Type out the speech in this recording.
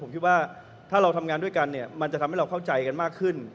ผมคิดว่าถ้าเราทำงานด้วยกันเนี่ยมันจะทำให้เราเข้าใจกันมากขึ้น